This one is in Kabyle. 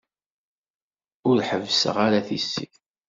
Ur ḥebbseɣ ara tissit.